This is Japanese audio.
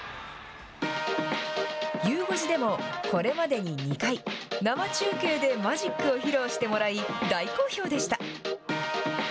ゆう５時でもこれまでに２回、生中継でマジックを披露してもらい、大好評でした。